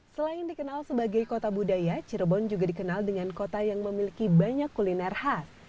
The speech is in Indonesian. selain dikenal sebagai kota budaya cirebon juga dikenal dengan kota yang memiliki banyak kuliner khas